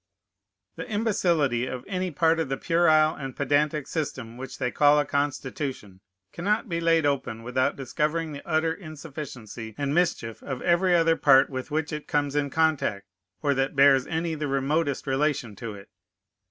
_ The imbecility of any part of the puerile and pedantic system which they call a Constitution cannot be laid open without discovering the utter insufficiency and mischief of every other part with which it comes in contact, or that bears any the remotest relation to it.